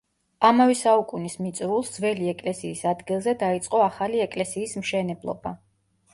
ამავე საუკუნის მიწურულს ძველი ეკლესიის ადგილზე დაიწყო ახალი ეკლესიის მშენებლობა.